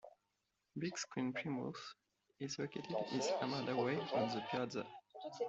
Big Screen Plymouth is located in Armada Way on the Piazza.